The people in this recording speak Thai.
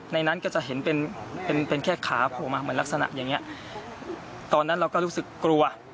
นั้นก็จะเห็นเป็นเป็นแค่ขาโผล่มาเหมือนลักษณะอย่างเงี้ยตอนนั้นเราก็รู้สึกกลัว